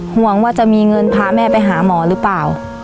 ห่วงว่าจะมีเงินพาแม่ไปหาหมอหรือเปล่า